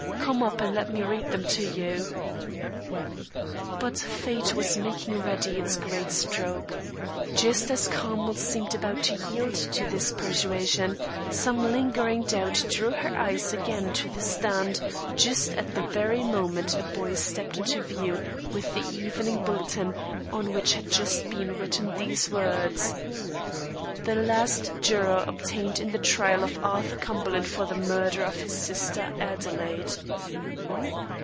Come up, and let me read them to you." But Fate was making ready its great stroke. Just as Carmel seemed about to yield to this persuasion, some lingering doubt drew her eyes again to the stand, just at the very moment a boy stepped into view with the evening bulletin, on which had just been written these words: The Last Juror Obtained in the Trial of Arthur Cumberland for the Murder of His Sister, Adelaide.